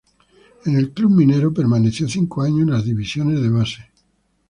En el club minero permaneció cinco años en las divisiones de base.